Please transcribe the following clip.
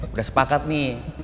udah sepakat nih